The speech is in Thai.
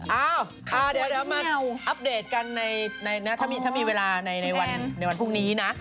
อ้าวเดี๋ยวมาอัปเดตกันถ้ามีเวลาในวันพรุ่งนี้นะ